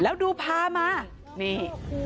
แล้วดูพามานี่